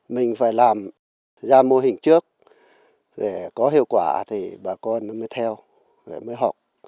mình phải làm ra mô hình trước để có hiệu quả thì bà con mới theo mới học